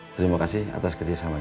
terima kasih atas kerjasamanya